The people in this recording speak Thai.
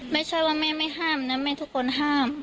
ไม่ใช่ว่าแม่ไม่ห้ามนะแม่ทุกคนห้าม